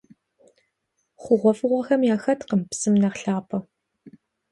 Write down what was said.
ХъугъуэфӀыгъуэм яхэткъым псым нэхъ лъапӀэ.